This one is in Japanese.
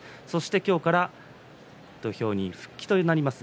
今日から土俵に復帰となります